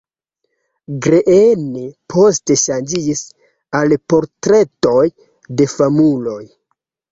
Greene poste ŝanĝis al portretoj de famuloj.